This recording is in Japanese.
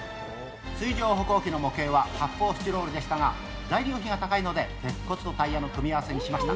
水上歩行機の模型は発泡スチロールでしたが、材料費が高いので鉄骨とタイヤを組み合わせました。